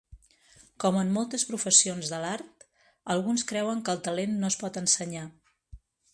Com en moltes professions de l'art, alguns creuen que el talent no es pot ensenyar.